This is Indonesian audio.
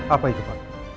apa itu pak